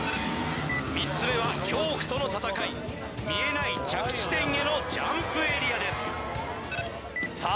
３つ目は恐怖との闘い見えない着地点へのジャンプエリアですさあ